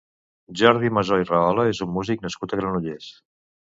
Jordi Masó i Rahola és un músic nascut a Granollers.